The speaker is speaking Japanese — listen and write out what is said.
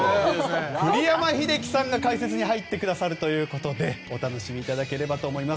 栗山英樹さんが解説に入ってくださるということでお楽しみいただければと思います。